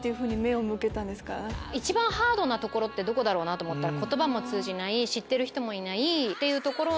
一番ハードな所ってどこだろうなと思ったら言葉も通じない知る人もいない所に行って。